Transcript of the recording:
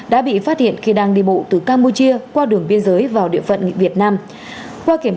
đã bị phát hiện khi đang đi bộ từ campuchia qua đường biên giới vào địa phận việt nam